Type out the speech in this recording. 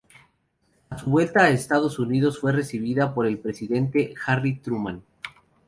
A su vuelta a Estados Unidos fue recibida por el presidente Harry Truman.